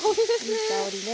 いい香りね。